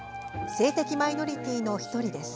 性的マイノリティーの１人です。